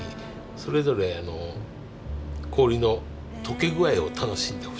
それぞれ氷のとけ具合を楽しんでほしいです。